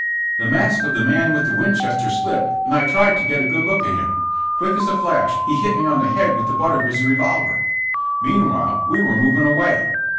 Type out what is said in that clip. The mask of the man with the Winchester slipped and I tried to get a good look at him. Quick as a flash he hit me on the head with the butt of his revolver. ''Meanwhile we were moving away.